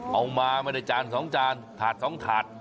เอามาไม่ได้จาน๒จานถาด๒ถาด